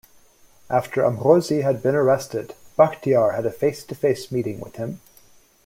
After Amrozi had been arrested Bachtiar had a face-to-face meeting with him.